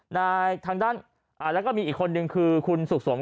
ทางด้านแล้วก็มีอีกคนนึงคือคุณสุขสงฆ